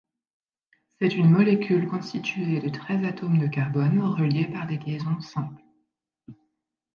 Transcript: C'est une molécule constituée de treize atomes de carbone reliés par des liaisons simples.